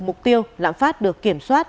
mục tiêu lạm phát được kiểm soát